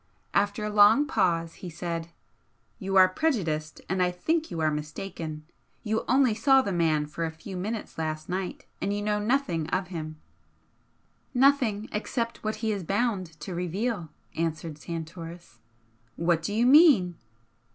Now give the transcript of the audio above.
After a long pause, he said "You are prejudiced, and I think you are mistaken. You only saw the man for a few minutes last night, and you know nothing of him " "Nothing, except what he is bound to reveal," answered Santoris. "What do you mean?"